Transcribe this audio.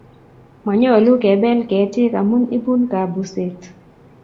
Manyolu kebel ketig amun ibu kabuset.